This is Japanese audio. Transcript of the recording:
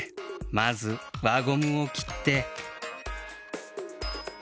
まず輪ゴムをきって。